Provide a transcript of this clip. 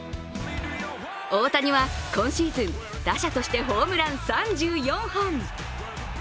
大谷は今シーズン打者としてホームラン３４本。